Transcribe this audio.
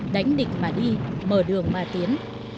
đánh địch mà đi mở đường mà tiến